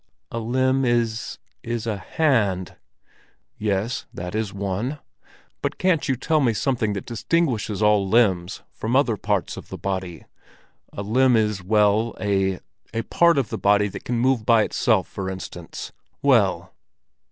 "A limb is—is a hand." "Yes, that is one. But can't you tell me something that distinguishes all limbs from other parts of the body? A limb is—well?—a?—a part of the body that can move by itself, for instance? Well!"